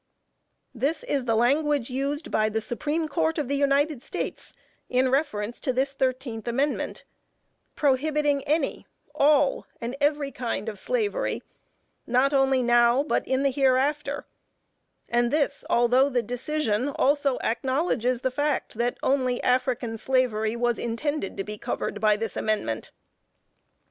This is the language used by the Supreme Court of the United States in reference to this thirteenth amendment; prohibiting any, all, and every kind of slavery, not only now, but in the hereafter, and this, although the decision, also acknowledges the fact that only African slavery was intended to be covered by this amendment.